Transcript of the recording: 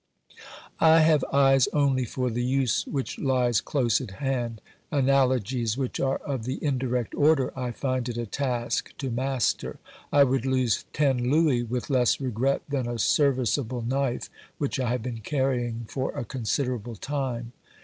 I have eyes only for the use which lies close at hand ; analogies which are of the indirect order I find it a task to master ; I would lose ten louis with less regret than a service able knife which I have been carrying for a considerable time.